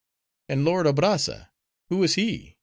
"And lord Abrazza:—who is he?"